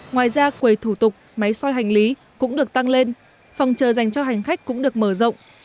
ngoài ra quầy thủ tục máy soi hành lý cũng được tăng lên phòng chờ dành cho hành khách cũng được mở rộng